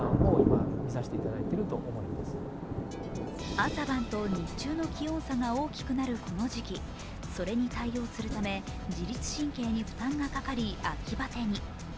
朝晩と日中の気温差が大きくなるこの時期、それに対応するため自律神経に負担がかかり秋バテに。